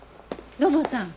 土門さん。